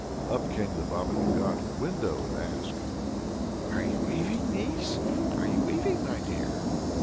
Up came the Baba Yaga to the window, and asked: "Are you weaving, niece? are you weaving, my dear?"